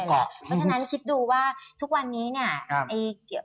เพราะฉะนั้นคิดดูว่าทุกวันนี้เนี่ย